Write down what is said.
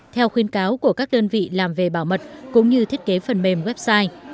theo khuyên cáo của các đơn vị làm về bảo mật cũng như thiết kế phần mềm website